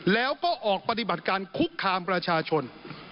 แล้วก็ออกปฏิบัติการคุกคามประชาชน